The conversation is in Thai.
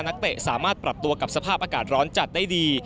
นักเตะสามารถปรับตัวกับสภาพอากาศร้อนจัดได้ดี